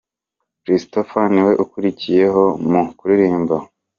christopher niwe ukurikiyeho mu kuririmba.